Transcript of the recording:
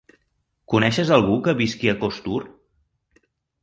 Coneixes algú que visqui a Costur?